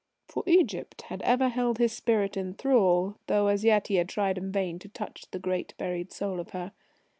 For Egypt had ever held his spirit in thrall, though as yet he had tried in vain to touch the great buried soul of her.